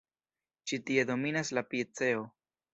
Ĉi tie dominas la piceo.